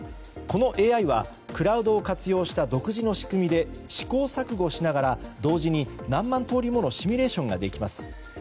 このＡＩはクラウドを活用した独自の仕組みで試行錯誤しながら同時に何万通りものシミュレーションができます。